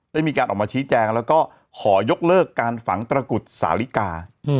ได้มีการออกมาชี้แจงแล้วก็ขอยกเลิกการฝังตระกุดสาลิกา